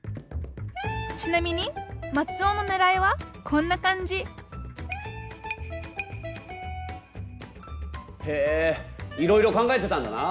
ちなみにマツオのねらいはこんな感じへえいろいろ考えてたんだな。